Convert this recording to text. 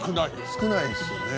「少ないですよね」